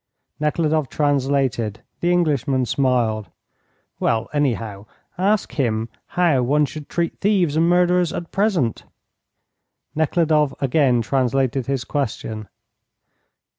Nekhludoff translated. The Englishman smiled. "Well, anyhow, ask him how one should treat thieves and murderers at present?" Nekhludoff again translated his question.